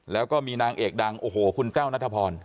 แล้วก็มีนางเอกดังโอ้โหคุณแต้วนัทพร